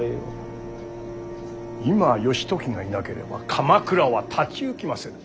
今義時がいなければ鎌倉は立ち行きませぬ。